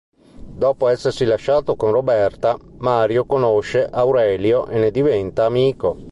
Dopo essersi lasciato con Roberta, Mario conosce Aurelio e ne diventa amico.